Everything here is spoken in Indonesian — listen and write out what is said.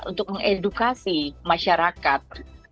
untuk mengedukasi masyarakat